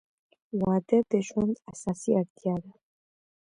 • واده د ژوند اساسي اړتیا ده.